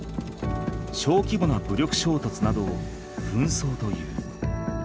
小規模な武力衝突などを紛争という。